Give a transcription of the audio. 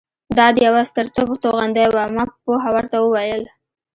دا د یوه ستر توپ توغندۍ وه. ما په پوهه ورته وویل.